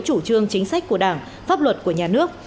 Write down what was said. chủ trương chính sách của đảng pháp luật của nhà nước